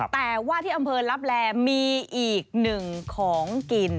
แต่ว่าที่อำเภอลับแลมีอีกหนึ่งของกิน